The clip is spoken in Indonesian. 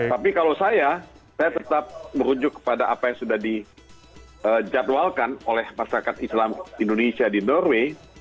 tapi kalau saya saya tetap merujuk kepada apa yang sudah dijadwalkan oleh masyarakat islam indonesia di norway